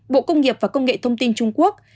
bộ công nghiệp và công nghệ thông tin trung quốc